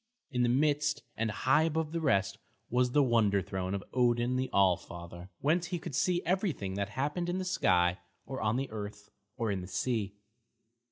In the midst, and high above the rest, was the wonder throne of Odin the All Father, whence he could see everything that happened in the sky or on the earth or in the sea.